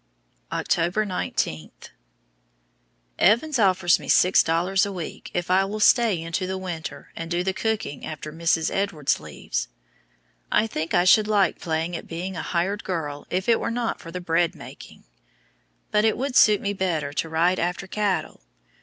October 19. Evans offers me six dollars a week if I will stay into the winter and do the cooking after Mrs. Edwards leaves! I think I should like playing at being a "hired girl" if it were not for the bread making! But it would suit me better to ride after cattle.